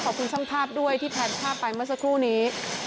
ขอบคุณช่องภาพด้วยที่แผ่นภาพไปเมื่อสักครู่นี้